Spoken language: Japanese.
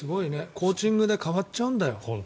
コーチングで変わっちゃうんだよ。